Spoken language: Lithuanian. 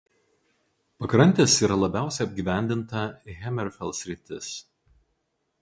Pakrantės yra labiausiai apgyvendinta "Hammerfell" sritis.